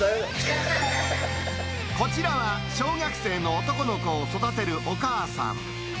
こちらは小学生の男の子を育てるお母さん。